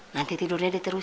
nanti tidurnya diterusin